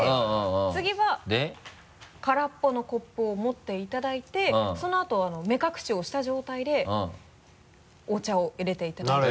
次は空っぽのコップを持っていただいてそのあと目隠しをした状態でお茶を入れていただきます。